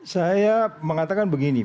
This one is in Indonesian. saya mengatakan begini